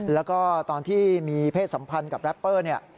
แล้วก็ตอนที่มีเพศสัมพันธ์กับแรปเปอร์เนี่ย